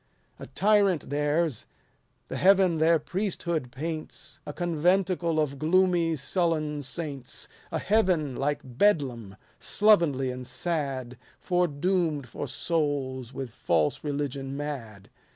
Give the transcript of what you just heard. A tyrant theirs ; the heaven their priesthood paints A conventicle of gloomy, sullen saints; A heaven like Bedlam, slovenly and sad, Foredoom'd for souls with false religion mad.